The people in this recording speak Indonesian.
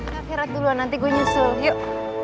ke akhirat dulu nanti gue nyusul yuk